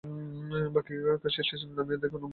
কাশী স্টেশনে নামিয়া দেখেন, উমেশও গাড়ি হইতে নামিতেছে।